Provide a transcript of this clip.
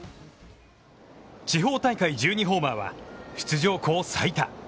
地方大会１２ホーマーは出場校最多。